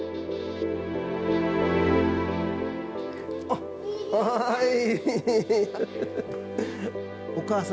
あっおい。